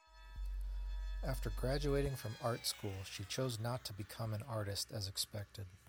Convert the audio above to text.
After graduating from art school, she chose not to become an artist as expected.